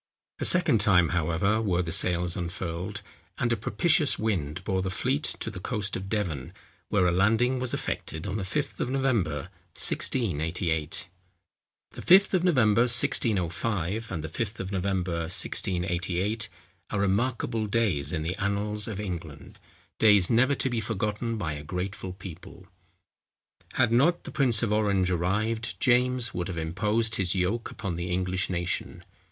A second time, however, were the sails unfurled, and a propitious wind bore the fleet to the coast of Devon, where a landing was effected on the Fifth of November, 1688. The Fifth of November, 1605, and the Fifth of November, 1688, are remarkable days in the annals of England—days never to be forgotten by a grateful people. Had not the prince of Orange arrived, James would have imposed his yoke upon the English nation.